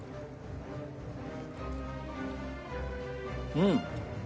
うん！